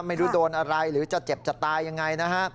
ไม่รู้โดนอะไรหรือจะเจ็บจะตายยังไงนะฮะ